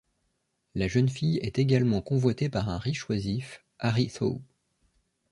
La jeune fille est également convoitée par un riche oisif, Harry Thaw.